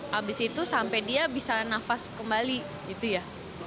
habis itu sampai dia bisa nafas kembali gitu ya